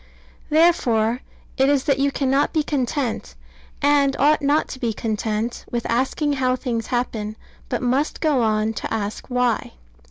Therefore it is that you cannot be content, and ought not to be content, with asking how things happen, but must go on to ask why.